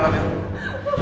sampai jumpa lagi